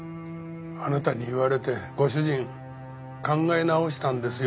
あなたに言われてご主人考え直したんですよ。